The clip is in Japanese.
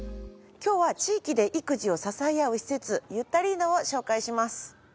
今日は地域で育児を支え合う施設「ゆったりーの」を紹介します。